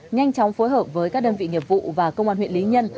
nhanh chóng phối hợp với các đơn vị nghiệp vụ và công an huyện lý nhân